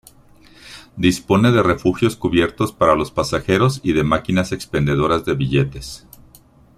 Dispone de refugios cubiertos para los pasajeros y de máquinas expendedoras de billetes.